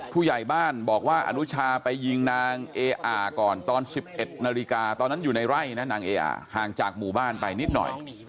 ผู้ใหญ่บ้านบอกว่าอนุชาไปยิงนางเออาก่อนตอน๑๑นาฬิกาตอนนั้นอยู่ในไร่นะนางเออห่างจากหมู่บ้านไปนิดหน่อย